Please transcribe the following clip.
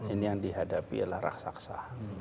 ini yang dihadapi adalah raksasa